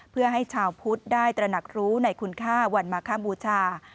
เพื่อให้ชาวพุทธได้ตระหนักรู้ในคุณค่าวันมาคบูชา